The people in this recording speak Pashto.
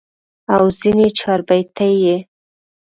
او ځني چاربيتې ئې